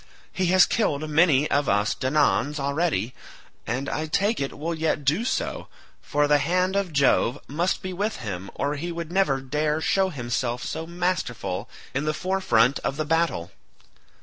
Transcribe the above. He has killed many of us Danaans already, and I take it will yet do so, for the hand of Jove must be with him or he would never dare show himself so masterful in the forefront of the battle.